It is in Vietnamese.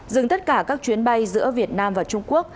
dừng tất cả các chuyến bay giữa việt nam và trung quốc